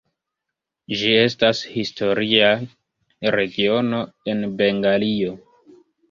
Ĝi estas historia regiono en Bengalio.